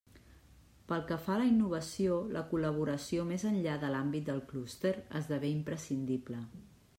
Pel que fa a la innovació, la col·laboració més enllà de l'àmbit del clúster esdevé imprescindible.